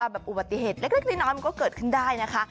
อุบัติเหตุเล็กน้อยมันก็เกิดขึ้นได้นะคะ